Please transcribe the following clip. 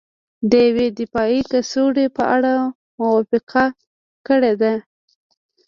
د یوې دفاعي کڅوړې په اړه موافقه کړې ده